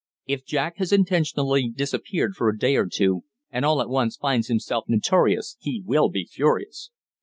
"If Jack has intentionally disappeared for a day or two and all at once finds himself notorious he will be furious."